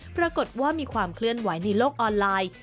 ปรากฏว่ามีความเคลื่อนไหวในโลกออนไลน์